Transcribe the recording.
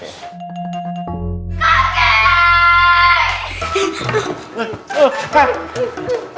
terima kasih pak